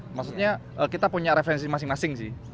maksudnya kita punya referensi masing masing sih